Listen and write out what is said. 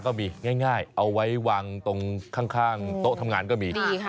ก็มีง่ายเอาไว้วางตรงข้างโต๊ะทำงานก็มี